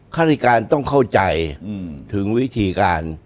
ฆาติการต้องเข้าใจถึงวิธีการ